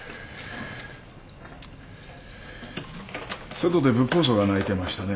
外でブッポウソウが鳴いてましたね。